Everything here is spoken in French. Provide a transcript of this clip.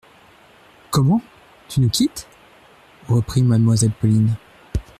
Comment ! tu nous quittes ? reprit Mademoiselle Pauline.